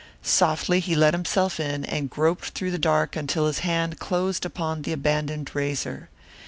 Softly he let himself in and groped through the dark until his hand closed upon the abandoned razor.